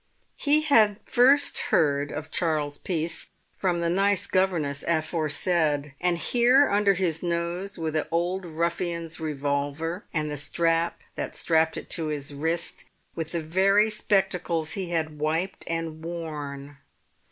He had first heard of Charles Peace from the nice governess aforesaid; and here under his nose were the old ruffian's revolver, and the strap that strapped it to his wrist, with the very spectacles he had wiped and worn.